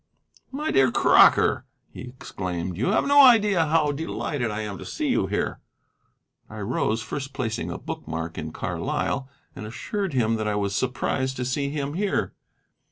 "My dear Crocker," he exclaimed, "you have no idea how delighted I am to see you here!" I rose, first placing a book mark in Carlyle, and assured him that I was surprised to see him here.